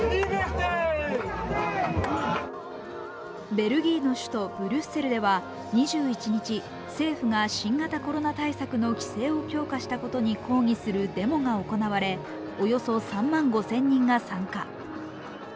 ベルギーの首都ブリュッセルでは２１日政府が新型コロナ対策の規制を強化したことに対するデモが行われ、およそ３万５０００人が参加。